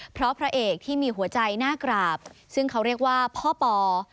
เพราะพระเอกที่มีหัวใจหน้ากราบซึ่งเขาเรียกว่าพ่อปอ